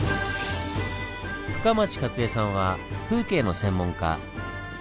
深町加津枝さんは風景の専門家。